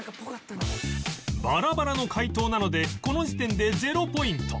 バラバラの解答なのでこの時点でゼロポイント